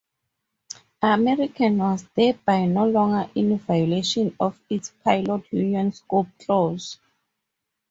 American was thereby no longer in violation of its pilot union scope clause.